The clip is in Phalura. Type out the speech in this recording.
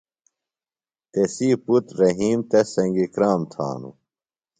تسی پُتر رحیم تس سنگیۡ کرام تھانوۡ۔